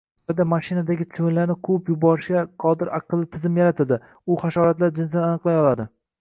Xitoyda mashinadagi chivinlarni quvib yuborishga qodir “aqlli” tizim yaratildi. U hasharotlar jinsini aniqlay oladi